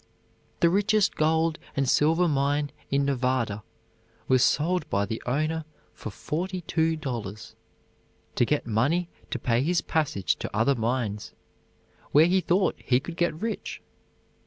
The richest gold and silver mine in Nevada was sold by the owner for $42, to get money to pay his passage to other mines, where he thought he could get rich.